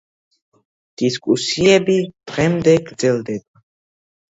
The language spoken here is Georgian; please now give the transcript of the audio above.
დისკუსიები დღემდე გრძელდება.